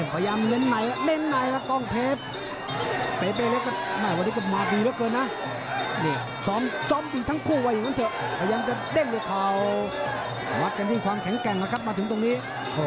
แบบนั้นเจ๊กก็ยังจะเด้งเขาหวัดกันที่ความแข็งแกร่รแล้วครับมาถึงตรงนี้